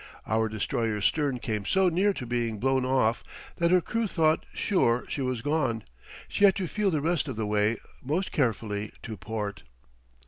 Our destroyer's stern came so near to being blown off that her crew thought sure she was gone; she had to feel the rest of the way most carefully to port.